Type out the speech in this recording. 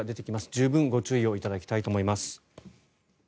十分、ご注意をいただきたいと思います。